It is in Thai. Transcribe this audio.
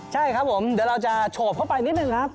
ใช่ครับผมเดี๋ยวเราจะโฉบเข้าไปนิดนึงครับ